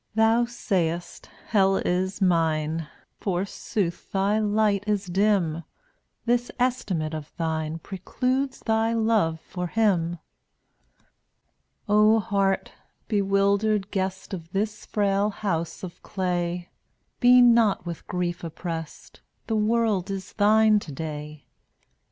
Thou sayest, "Hell is mine;" Forsooth thy light is dim; This estimate of thine Precludes thy love for Him. rf^ni/il» O Heart, bewildered guest ^/mui of this frail house of clay> (JvC/ Be not with grief oppressed; tfUtl A" ^ ne wor ^* s thine to day.